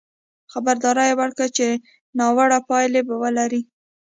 خبرداری یې ورکړ چې ناوړه پایلې به ولري.